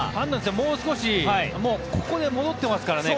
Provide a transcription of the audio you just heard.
もう少しここで戻ってますからね。